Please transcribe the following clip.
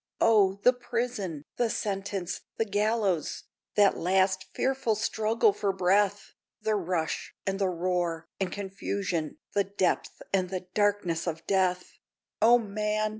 O, the prison! the sentence! the gallows! That last fearful struggle for breath! The rush, and the roar, and confusion, The depth and the darkness of death! O man!